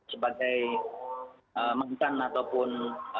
sebagai mantan ataupun